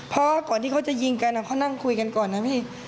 เพราะก่อนที่เขาจะยิงกันเขานั่งคุยกันก่อนนะพี่